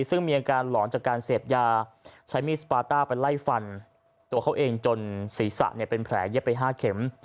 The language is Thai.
ซึ่งมีอาการหลอนจากการเสพยาใช้มีดสปาต้าไปไล่ฟันตัวเขาเองจนศีรษะเป็นแผลเย็บไป๕เข็ม